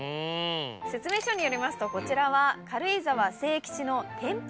説明書によりますとこちらは軽井沢せいきちの。